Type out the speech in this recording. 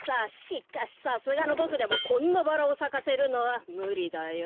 しかしさすがのボクでもこんなバラをさかせるのはむりだよ。